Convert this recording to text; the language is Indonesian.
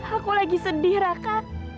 aku lagi sedih raka